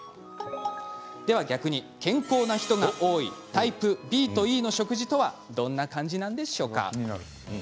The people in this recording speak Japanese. では逆に、健康な人が多いタイプＢとＥの食事とはどんな感じなんでしょうか？